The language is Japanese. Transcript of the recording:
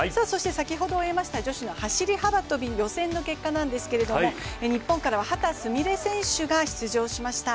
先ほど終えました女子の走幅跳予選の結果なんですが日本からは秦澄美鈴選手が出場しました。